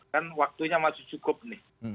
kan waktunya masih cukup nih